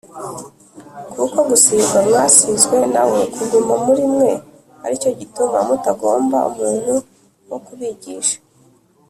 kuko gusīgwa mwasīzwe na we kuguma muri mwe, ari cyo gituma mutagomba umuntu wo kubigisha